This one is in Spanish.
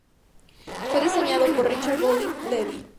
Fue diseñado por Ricardo Bofill Levi.